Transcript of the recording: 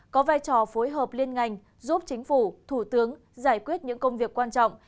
có vai trò phối hợp liên ngành giúp chính phủ thủ tướng giải quyết những công việc quan trọng